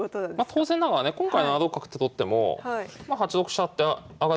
当然ながらね今回７六角と取っても８六飛車って上がれば受かるので。